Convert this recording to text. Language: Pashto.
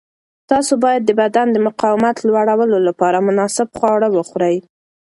تاسو باید د بدن د مقاومت لوړولو لپاره مناسب خواړه وخورئ.